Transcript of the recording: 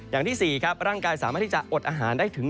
อย่างที่๔ครับร่างกายสามารถที่จะอดอาหารได้ถึง